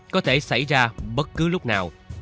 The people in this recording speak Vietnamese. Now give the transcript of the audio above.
có thể xảy ra bất cứ lúc nào